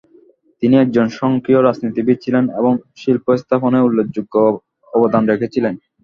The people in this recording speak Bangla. তিনি একজন সক্রিয় রাজনীতিবিদ ছিলেন এবং শিল্পস্থাপনে উল্লেখযোগ্য অবদান রেখেছিলেন ।